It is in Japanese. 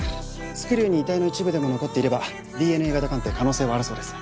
スクリューに遺体の一部でも残っていればＤＮＡ型鑑定可能性はあるそうです。